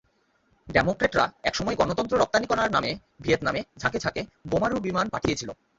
ডেমোক্র্যাটরা একসময় গণতন্ত্র রপ্তানি করার নামে ভিয়েতনামে ঝাঁকে ঝাঁকে বোমারু বিমান পাঠিয়েছিল।